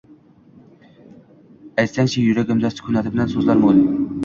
Aytsangchi: – Yuragimda sukutimdan so‘zlar mo‘l